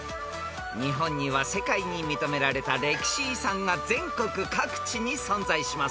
［日本には世界に認められた歴史遺産が全国各地に存在します］